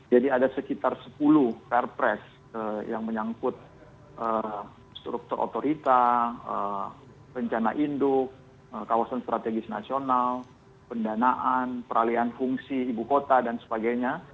jadi ada sekitar sepuluh pr press yang menyangkut struktur otorita rencana induk kawasan strategis nasional pendanaan peralian fungsi ibu kota dan sebagainya